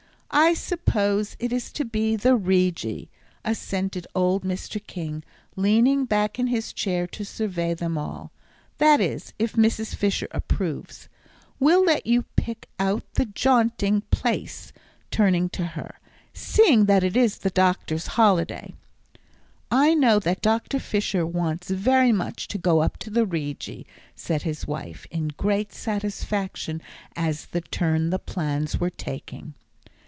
"I suppose it is to be the Rigi," assented old Mr. King, leaning back in his chair to survey them all, "that is, if Mrs. Fisher approves. We'll let you pick out the jaunting place," turning to her, "seeing that it is the doctor's holiday." "I know that Dr. Fisher wants very much to go up the Rigi," said his wife, in great satisfaction at the turn the plans were taking.